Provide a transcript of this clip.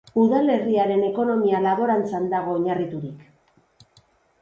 Udalerriaren ekonomia laborantzan dago oinarriturik.